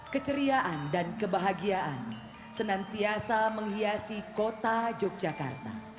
keceriaan dan kebahagiaan senantiasa menghiasi kota yogyakarta